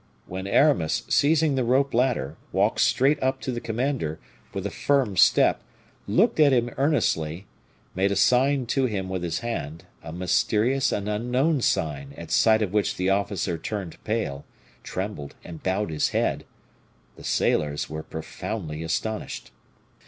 When Aramis, seizing the rope ladder, walked straight up to the commander, with a firm step, looked at him earnestly, made a sign to him with his hand, a mysterious and unknown sign at sight of which the officer turned pale, trembled, and bowed his head, the sailors were profoundly astonished.